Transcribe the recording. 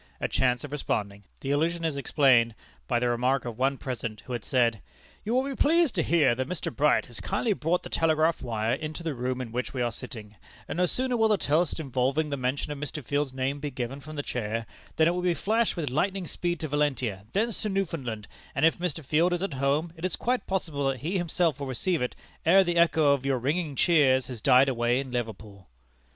a chance of responding! The allusion is explained by the remark of one present who had said: "You will be pleased to hear that Mr. Bright has kindly brought the telegraph wire into the room in which we are sitting, and no sooner will the toast involving the mention of Mr. Field's name be given from the chair, than it will be flashed with lightning speed to Valentia, thence to Newfoundland, and if Mr. Field is at home, it is quite possible that he himself will receive it, ere the echo of your ringing cheers has died away in Liverpool."